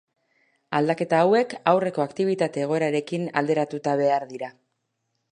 Aldaketa hauek aurreko aktibitate-egoerarekin alderatuta behar dira.